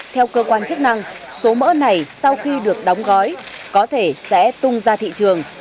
theo cơ quan chức năng số mỡ này sau khi được đóng gói có thể sẽ tung ra thị trường